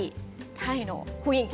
タイの雰囲気